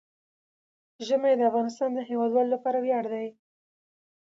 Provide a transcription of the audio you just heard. ژمی د افغانستان د هیوادوالو لپاره ویاړ دی.